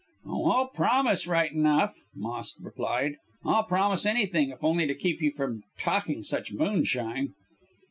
"'Oh, I'll promise right enough,' Moss replied. 'I'll promise anything if only to keep you from talking such moonshine.'